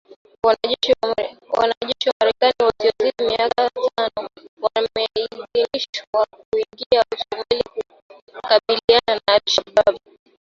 Wanajeshi wa Marekani wasiozidi mia tano wameidhinishwa kuingia Somalia kukabiliana na Al Shabaab